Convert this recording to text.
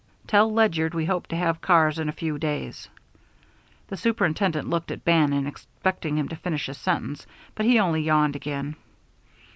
_Tell Ledyard we hope to have cars in a few days _ The superintendent looked at Bannon, expecting him to finish his sentence, but he only yawned again.